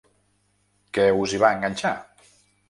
Què us hi va enganxar?